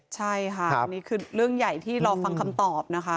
ใช่ค่ะอันนี้คือเรื่องใหญ่ที่รอฟังคำตอบนะคะ